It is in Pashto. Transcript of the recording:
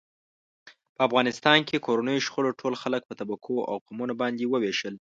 په افغانستان کې کورنیو شخړو ټول خلک په طبقو او قومونو باندې و وېشل.